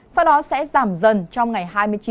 sau đó sẽ giảm dần trong ngày hai mươi chín